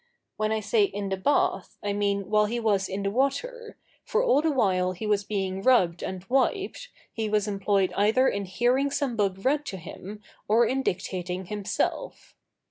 When I say in the bath I mean while he was in the water, for all the while he was being rubbed and wiped, he was employed either in hearing some book read to him or in dictating himself.